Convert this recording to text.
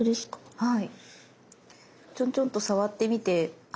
はい。